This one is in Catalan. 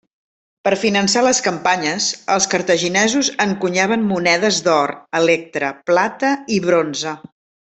Per finançar les campanyes, els cartaginesos encunyaven monedes d'or, electre, plata i bronze.